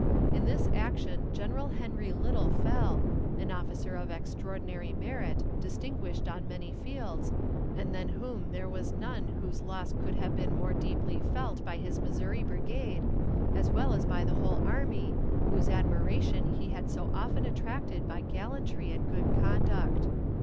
In this action General Henry Little fell, an officer of extraordinary merit, distinguished on many fields, and than whom there was none whose loss could have been more deeply felt by his Missouri brigade, as well as by the whole army, whose admiration he had so often attracted by gallantry and good conduct.